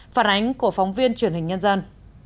phản ánh của phóng viên truyền hình nhân dân